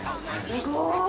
すごい。